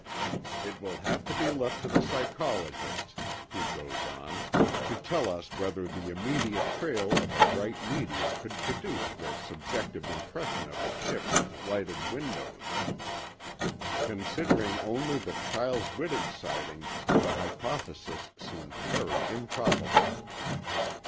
"It will have to be left to the psychologists," he goes on, "to tell us whether the immediate trail of a bright meteor could produce the subjective impression of a ship with lighted windows. Considering only the Chiles Whitted sighting, the hypothesis seems very improbable."